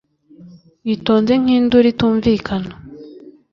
witonze nkinduru itumvikana